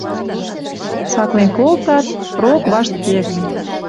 Цаклен колтат — рокваштке! —